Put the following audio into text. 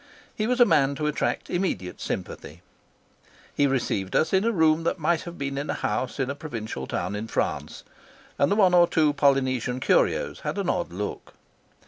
He was a man to attract immediate sympathy. He received us in a room that might have been in a house in a provincial town in France, and the one or two Polynesian curios had an odd look.